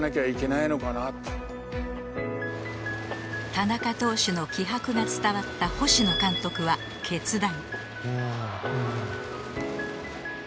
田中投手の気迫が伝わった星野監督は決断